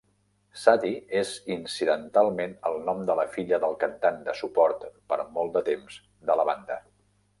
Sadie és incidentalment el nom de la filla del cantant de suport per molt de temps de la banda.